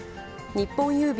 日本郵便